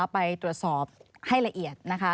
ไปตรวจสอบให้ละเอียด